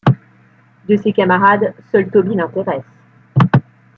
De ses camarades, seul Toby l'intéresse.